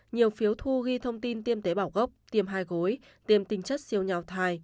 nhiều phiếu thu ghi thông tin tiêm tế bảo gốc tiêm hai gối tiêm tinh chất siêu nhỏ thai